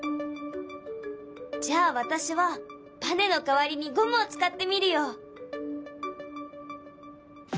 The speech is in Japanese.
じゃあ私はばねの代わりにゴムを使ってみるよ。